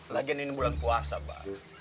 lagian ini bulan puasa pak